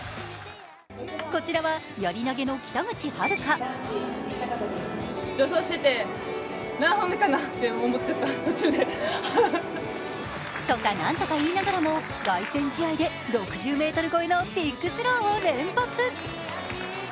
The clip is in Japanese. こちらはやり投げの北口榛花。とかなんとか言いながらも凱旋試合で６０ｍ越えのビッグスローを連発。